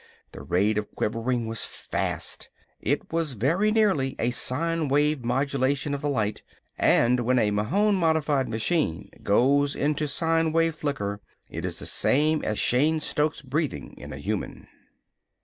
The rate of quivering was fast. It was very nearly a sine wave modulation of the light and when a Mahon modified machine goes into sine wave flicker, it is the same as Cheyne Stokes breathing in a human.